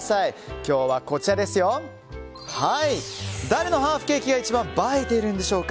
今日は、誰のハーフケーキが一番映えているんでしょうか。